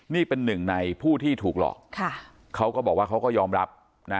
นี่เป็นหนึ่งในผู้ที่ถูกหลอกเขาก็บอกว่าเขาก็ยอมรับนะ